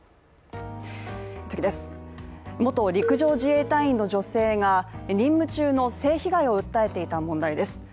元陸上自衛隊員の女性が任務中の性被害を訴えていた問題です。